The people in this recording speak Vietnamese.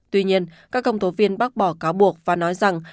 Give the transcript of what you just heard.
tuy nhiên các công tố viên bác bỏ cáo buộc và nói rằng